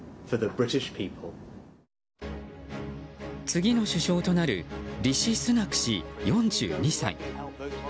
次の首相となるリシ・スナク氏、４２歳。